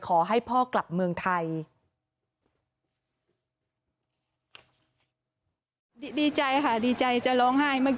ขอให้พ่อกลับเมืองไทย